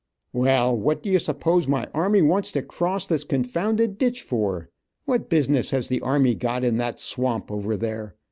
"Well, what do you suppose my army wants to cross this confounded ditch for? What business has the army got in that swamp over there?